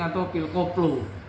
atau pil korban